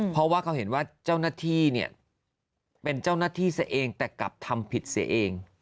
เพราะว่าเขาเห็นว่าเจ้าหน้าที่เนี่ยเป็นเจ้าหน้าที่เสียเองแต่กลับทำผิดเสียเอง